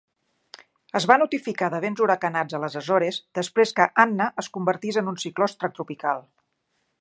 Es va notificar de vents huracanats a les Azores després que Anna es convertís en un cicló extratropical.